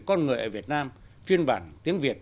con người ở việt nam phiên bản tiếng việt